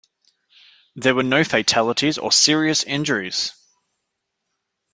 There were no fatalities or serious injuries.